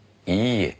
いいえ？